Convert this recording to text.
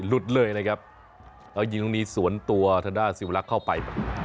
หลุดเลยนะครับแล้วยิงตรงนี้สวนตัวทางด้านสิวรักษ์เข้าไป